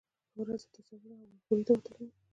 یوه ورځ زه تصادفا هوا خورۍ ته وتلی وم.